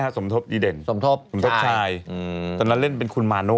จากเรื่องลูกฆาตเหรอครับ